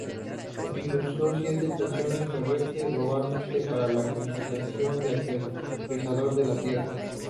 Utilizó siete estaciones terrestres, globalmente, para la comunicación del aterrizador de la Tierra.